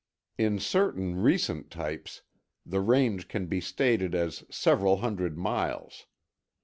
In certain recent types, the range can be stated as several hundred miles.